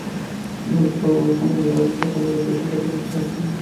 কৃপানাথ ক্ষুণ্ণমনে চলিয়া গেলে আলোটা কমাইয়া শশী খাটে বসিয়া একটা মোটা চুরুট ধরাইল।